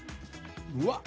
うわっ。